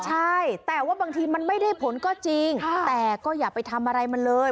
ใช่แต่ว่าบางทีมันไม่ได้ผลก็จริงแต่ก็อย่าไปทำอะไรมันเลย